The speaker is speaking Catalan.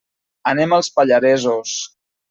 Anem als Pallaresos.